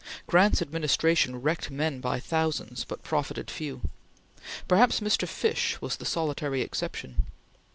Grant's administration wrecked men by thousands, but profited few. Perhaps Mr. Fish was the solitary exception.